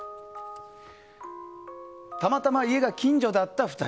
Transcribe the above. たまたま家が近所だった２人。